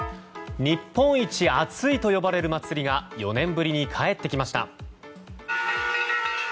日本一熱いと呼ばれる祭りが４年ぶりに帰ってきました。